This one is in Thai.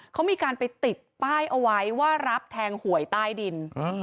เขามีการไปติดป้ายเอาไว้ว่ารับแทงหวยใต้ดิน